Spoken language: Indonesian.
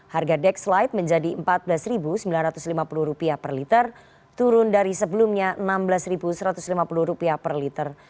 harga dex light menjadi rp empat belas sembilan ratus lima puluh per liter turun dari sebelumnya rp enam belas satu ratus lima puluh per liter